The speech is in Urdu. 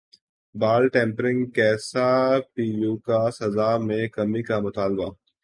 بال ٹمپرنگ کیساے پی یو کا سزا میں کمی کامطالبہ